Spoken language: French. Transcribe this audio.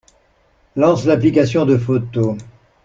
Lance l'application de photo